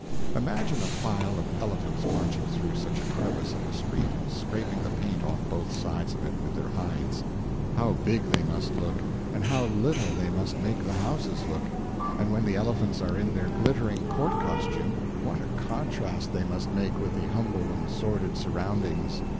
Imagine a file of elephants marching through such a crevice of a street and scraping the paint off both sides of it with their hides. How big they must look, and how little they must make the houses look; and when the elephants are in their glittering court costume, what a contrast they must make with the humble and sordid surroundings.